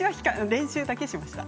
練習だけにしました。